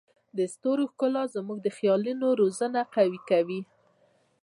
د ستورو ښکلا زموږ د خیالونو وزرونه قوي کوي.